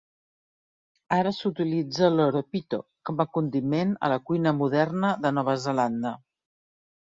Ara s'utilitza l'"horopito" com a condiment a la cuina moderna de Nova Zelanda.